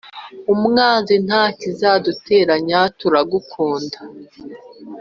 umwanzinta kizaduteranya, turakundana,